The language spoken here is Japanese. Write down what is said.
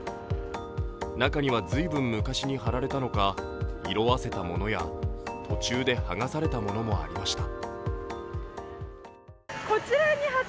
中には随分昔に貼られたのか色あせたものや途中で剥がされたものもありました。